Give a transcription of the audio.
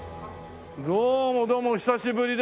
どうもどうもお久しぶりです。